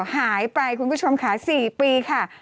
หายไปคุณผู้ชมค่ะ๔ปีค่ะ